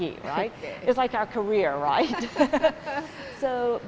itu seperti karir kita